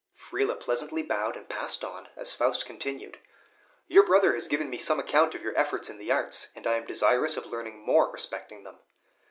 Friele pleasantly bowed and passed on, as Faust continued: "Your brother has given me some account of your efforts in the arts; and I am desirous of learning more respecting them."